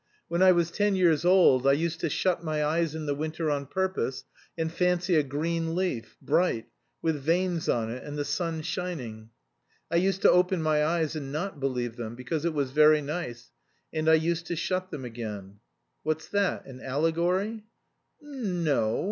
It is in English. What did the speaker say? When I was ten years old I used to shut my eyes in the winter on purpose and fancy a green leaf, bright, with veins on it, and the sun shining. I used to open my eyes and not believe them, because it was very nice, and I used to shut them again." "What's that? An allegory?" "N no...